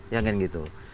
ya kan gitu